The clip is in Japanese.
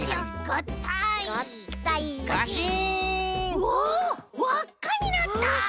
うわわっかになった！